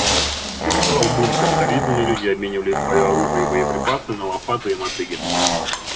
Переживал бум капитализм, и люди обменивали свое оружие и боеприпасы на лопаты и мотыги.